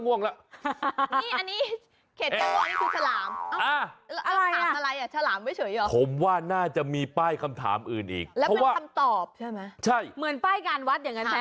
มันก็ทำให้เราคิดแต่ทำให้เรารู้สึกว่าไม่ง่วง